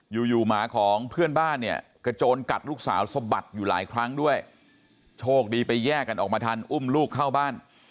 อยู่อยู่หมาของเพื่อนบ้านเนี่ยกระโจนกัดลูกสาวสะบัดอยู่หลายครั้งด้วยโชคดีไปแยกกันออกมาทันอุ้มลูกเข้าบ้าน